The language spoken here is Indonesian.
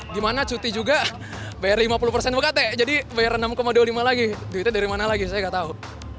di mana cuti juga bayar lima puluh ukt jadi bayar enam dua puluh lima lagi duitnya dari mana lagi saya tidak tahu